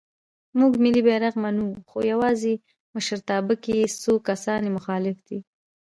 مونږ ملی بیرغ منو خو یواځې مشرتابه کې څو کسان یې مخالف دی.